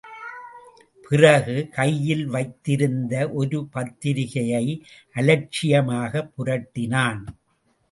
பிறகு கையில் வைத்திருந்த ஒரு பத்திரிகையை அலட்சியமாக புரட்டினான்.